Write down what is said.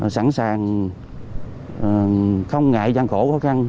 sẵn sàng không ngại gian khổ khó khăn